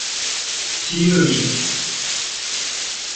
tiri